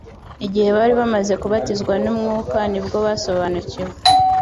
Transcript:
Igihe bari bamaze kubatizwa n'Umwuka nibwo basobanukiwe